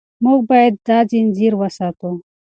موږ باید دا ځنځیر وساتو.